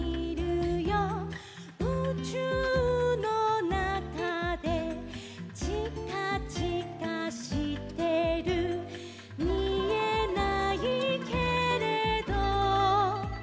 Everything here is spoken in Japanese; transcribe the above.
「うちゅうのなかで」「ちかちかしてる」「みえないけれど」